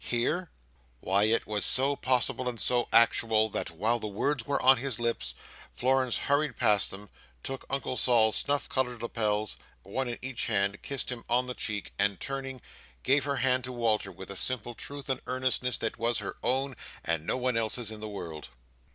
"Here!" Why, It was so possible and so actual, that, while the words were on his lips, Florence hurried past him; took Uncle Sol's snuff coloured lapels, one in each hand; kissed him on the cheek; and turning, gave her hand to Walter with a simple truth and earnestness that was her own, and no one else's in the world!